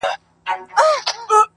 په موسكا او په تعظيم ورته ټگان سول،